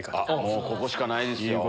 もうここしかないですよ。